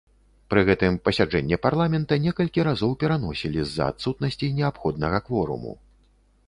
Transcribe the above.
Пры гэтым пасяджэнне парламента некалькі разоў пераносілі з-за адсутнасці неабходнага кворуму.